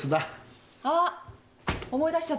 あっ思い出しちゃった。